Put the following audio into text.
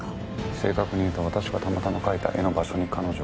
正確に言うと私がたまたま描いた絵の場所に彼女がいたという事です。